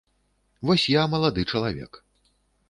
Вось я малады чалавек.